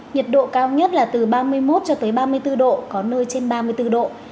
nhiệt độ cao nhất là từ ba mươi một cho tới ba mươi bốn độ có nơi trên ba mươi bốn độ